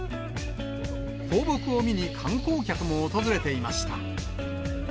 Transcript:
放牧を見に観光客も訪れていました。